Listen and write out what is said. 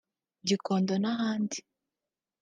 Gikondo n’ahandi